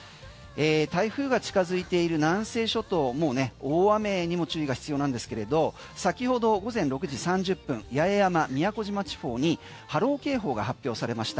台風が近づいている南西諸島大雨にも注意が必要なんですが先ほど午前６時３０分八重山、宮古島地方に波浪警報が発表されました。